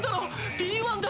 Ｂ１だよ